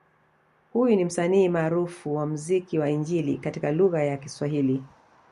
Huyu ni msanii maarufu wa muziki wa Injili katika lugha ya swahili